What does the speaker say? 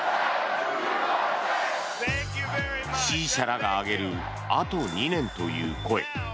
支持者らが上げるあと２年という声。